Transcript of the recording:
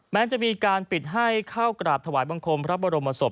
แม้จะมีการปิดให้เข้ากราบถวายบังคมพระบรมศพ